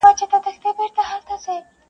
• نښانې یې د خپل مرګ پکښي لیدلي -